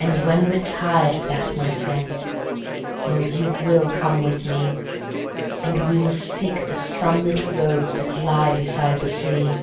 And when we're tired of that, my friend, oh, you will come with me; And we will seek the sunlit roads that lie beside the sea.